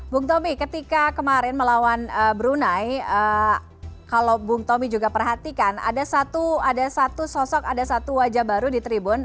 bung tommy ketika kemarin melawan brunei kalau bung tommy juga perhatikan ada satu sosok ada satu wajah baru di tribun